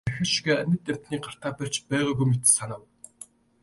Тэр хэзээ ч энэ тахиа шигээ амьд амьтныг гартаа барьж байгаагүй мэт санав.